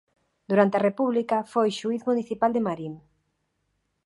Durante a República foi Xuíz municipal de Marín.